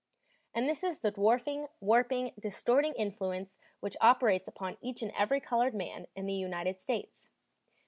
And this is the dwarfing, warping, distorting influence which operates upon each and every colored man in the United States.